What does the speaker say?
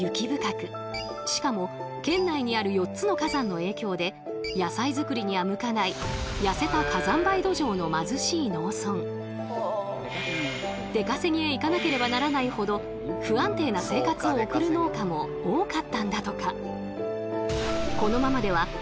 しかも県内にある４つの火山の影響で野菜作りには向かない痩せた出稼ぎへ行かなければならないほど不安定な生活を送る農家も多かったんだとか。